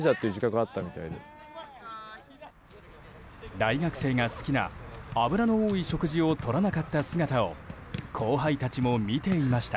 大学生が好きな油の多い食事をとらなかった姿を後輩たちも見ていました。